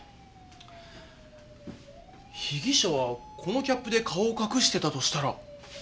被疑者はこのキャップで顔を隠してたとしたら。